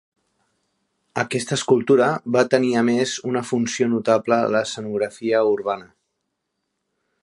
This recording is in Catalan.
Aquesta escultura va tenir a més una funció notable a l'escenografia urbana.